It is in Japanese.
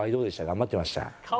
頑張ってました？